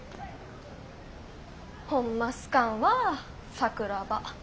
ホンマ好かんわ桜庭。